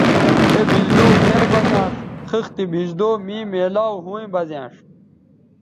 اے بھیزدو مر بہ زیانݜ خِختے بھیزدو مے میلاو ھویں بہ زیانݜ